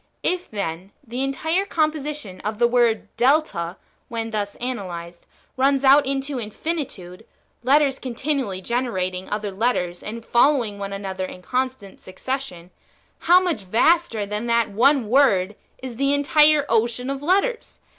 If, then, the entire composition of the word Delta [when thus analyzed] runs out into infinitude, letters continually generating other letters, and following one an other in constant succession, how much vaster than that [one] word is the [entire] ocean of letters